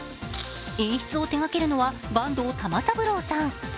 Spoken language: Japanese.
演出を手がけるのは坂東玉三郎さん。